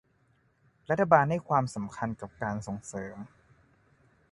รัฐบาลให้ความสำคัญกับการส่งเสริม